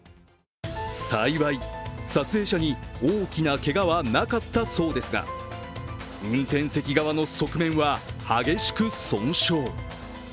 幸い、撮影者に大きなけがはなかったそうですが運転席側の側面は激しく損傷。